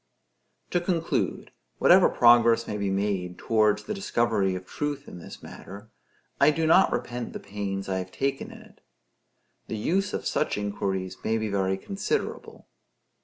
To conclude: whatever progress may be made towards the discovery of truth in this matter, I do not repent the pains I have taken in it. The use of such inquiries may be very considerable.